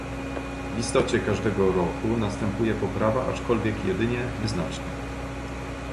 W istocie każdego roku następuje poprawa, aczkolwiek jedynie nieznaczna